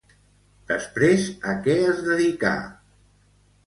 Després a què es dedicà?